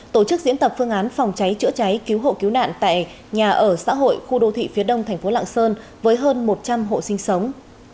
tổ chức diễn tập phương án phòng cháy chữa cháy cứu hộ cứu nạn tại nhà ở xã hội khu đô thị phía đông thành phố lạng sơn với hơn một trăm linh hộ sinh sống